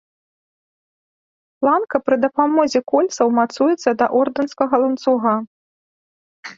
Планка пры дапамозе кольцаў мацуецца да ордэнскага ланцуга.